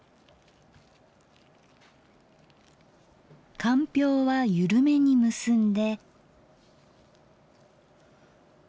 かんぴょうは緩めに結んで。